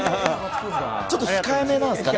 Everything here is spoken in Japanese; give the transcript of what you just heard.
ちょっと控えめなんですね。